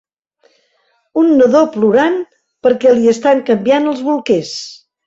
Un nadó plorant perquè li estan canviant els bolquers.